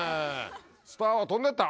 スターは飛んでった！